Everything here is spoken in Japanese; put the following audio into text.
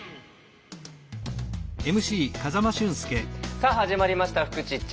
さあ始まりました「フクチッチ」。